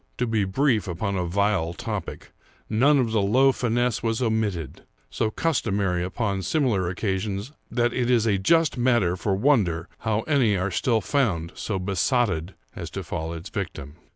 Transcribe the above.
To be brief upon a vile topic, none of the low finesse was omitted, so customary upon similar occasions that it is a just matter for wonder how any are still found so besotted as to fall its victim.